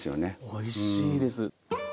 おいしいです。